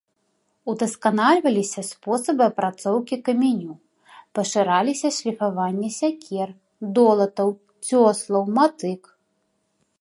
Удасканальваліся спосабы апрацоўкі каменю, пашыраліся шліфаванне сякер, долатаў, цёслаў, матык.